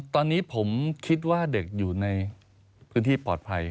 ตอนนี้ผมคิดว่าเด็กอยู่ในพื้นที่ปลอดภัย